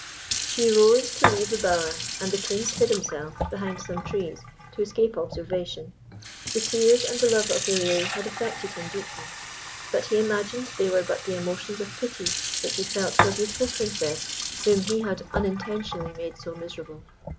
She rose to leave the bower, and the Prince hid himself behind some trees to escape observation. The tears and the love of Ilerie had affected him deeply, but he imagined they were but the emotions of pity which he felt for a beautiful Princess whom he had unintentionally made so miserable.